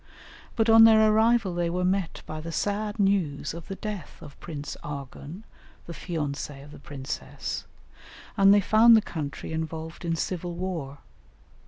But on their arrival they were met by the sad news of the death of Prince Arghun, the fiancé of the princess, and they found the country involved in civil war.